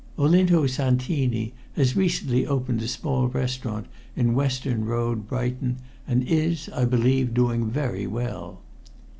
Olinto Santini has recently opened a small restaurant in Western Road, Brighton, and is, I believe, doing very well.